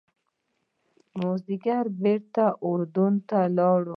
مازیګر بېرته اردن ته اوړي.